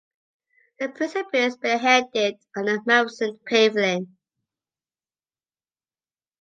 The prince appears bare-headed under a magnificent pavilion.